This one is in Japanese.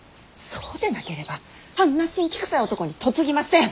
そうでなければあんな辛気くさい男に嫁ぎません！